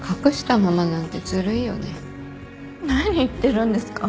何言ってるんですか。